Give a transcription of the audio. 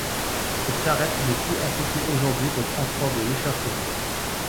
Cette charrette n’est plus affectée aujourd’hui qu’au transport de l’échafaud.